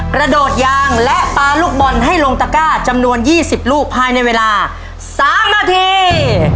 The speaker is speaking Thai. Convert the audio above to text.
กระโดดยางและปลาลูกบอลให้ลงตะก้าจำนวน๒๐ลูกภายในเวลา๓นาที